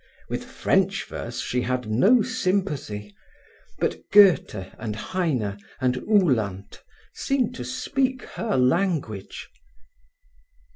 With French verse she had no sympathy; but Goethe and Heine and Uhland seemed to speak her language.